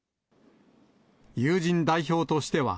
友人代表としては、